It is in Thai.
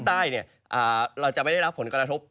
แต่ว่าในช่วงบ่ายนะครับอากาศค่อนข้างร้อนและอุ๊บนะครับ